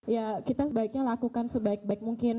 ya kita sebaiknya lakukan sebaik baik mungkin